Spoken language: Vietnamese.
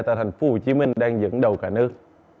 tại tp hcm đang dẫn đầu cả nước